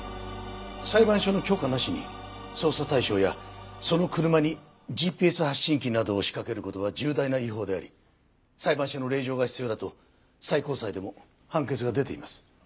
裁判所の許可なしに捜査対象やその車にＧＰＳ発信機などを仕掛ける事は重大な違法であり裁判所の令状が必要だと最高裁でも判決が出ています。